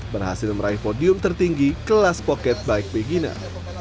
berhasil meraih podium tertinggi kelas pocket bike beginner